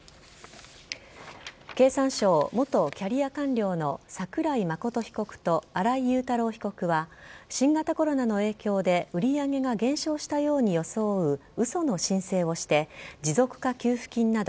経産省元キャリア官僚の桜井真被告と新井雄太郎被告は、新型コロナの影響で売り上げが減少したように装ううその申請をして、持続化給付金など